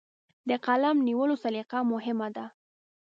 د قلم نیولو سلیقه مهمه ده.